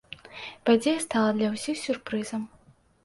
Падзея стала для ўсіх сюрпрызам.